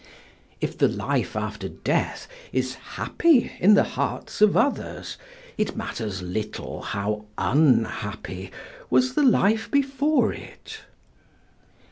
If the life after death is happy in the hearts of others, it matters little how unhappy was the life before it.